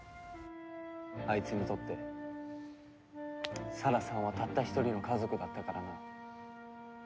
あいつにとって沙羅さんはたった一人の家族だったからな。